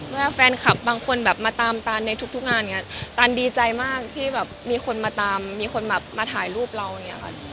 ว่าแฟนคลับบางคนแบบมาตามตันในทุกทุกงานอย่างเงี้ตันดีใจมากที่แบบมีคนมาตามมีคนแบบมาถ่ายรูปเราอย่างเงี้ค่ะ